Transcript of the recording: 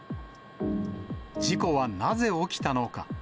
事故はなぜ起きたのか。